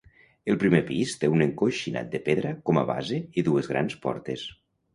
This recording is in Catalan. El primer pis té un encoixinat de pedra com a base i dues grans portes.